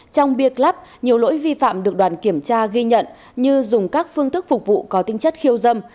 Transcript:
trong bia club nhiều lỗi vi phạm được đoàn kiểm tra ghi nhận như dùng các phương thức phục vụ có tinh chất khiêu dâm